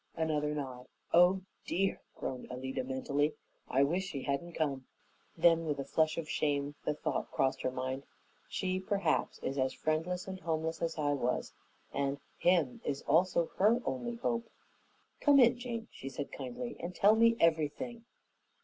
Another nod. "Oh, DEAR!" groaned Alida mentally; "I wish she hadn't come." Then with a flush of shame the thought crossed her mind, "She perhaps is a friendless and homeless as I was, and, and 'him' is also her only hope." "Come in, Jane," she said kindly, "and tell me everything."